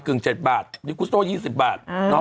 กึ่งเจ็บบาทนี่กุ๊กโต้ยยี่สิบบาทเอิ่มเนอะ